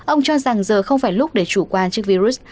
ông cho rằng giờ không phải lúc để chủ quan trước virus